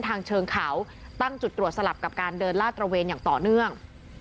เชิงเขาตั้งจุดตรวจสลับกับการเดินลาดตระเวนอย่างต่อเนื่อง